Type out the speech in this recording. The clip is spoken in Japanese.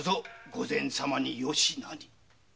御前様によしなに。